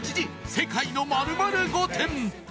「世界の○○御殿」